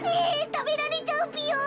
たべられちゃうぴよ。